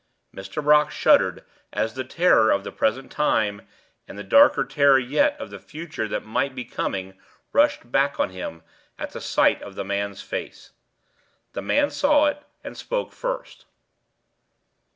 Mr. Brock shuddered as the terror of the present time and the darker terror yet of the future that might be coming rushed back on him at the sight of the man's face. The man saw it, and spoke first.